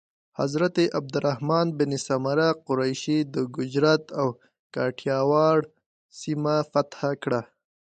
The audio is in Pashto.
حضرت عبدالرحمن بن سمره قریشي د ګجرات او کاټیاواړ سیمه فتح کړه.